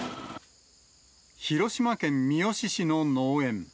広島県三次市の農園。